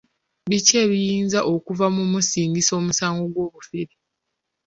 Biki ebiyinza okuva mu kumusingisa omusango gw'obufere.